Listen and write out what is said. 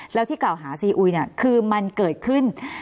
แล้วที่กล่าวหาซีอุยคือมันเกิดขึ้น